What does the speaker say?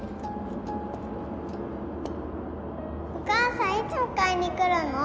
お母さんいつ迎えに来るの？